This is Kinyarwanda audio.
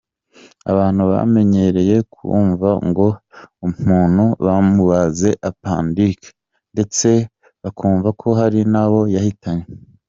Abantu bamenyereye kumva ngo umuntu bamubaze apandicite ndetse bakumva ko hari n’ abo yahitanye.